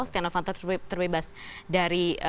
setia novanto terbebas dari